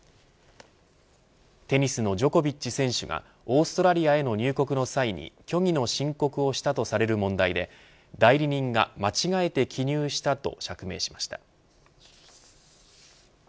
テニスのジョコビッチ選手がオーストラリアへの入国の際に虚偽の申告をしたとされる問題で代理人が間違えて記入したと釈明しました。